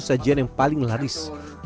sajian yang paling laris